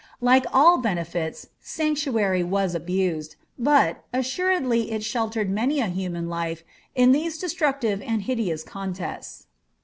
Like all benefits, sanctuary was abused, but, assuredly it sheltered many a htuuan life in these destructive and hideous contests.